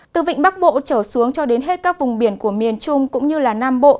từ vịnh bắc bộ trở xuống cho đến hết các vùng biển của miền trung cũng như nam bộ